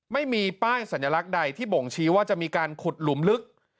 ไม่มีป้ายสัญลักษณ์ใดที่บ่งชี้ว่าจะมีการขุดหลุมลึก